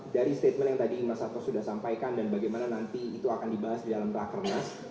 dari statement yang tadi mas satwa sudah sampaikan dan bagaimana nanti itu akan dibahas di dalam rakernas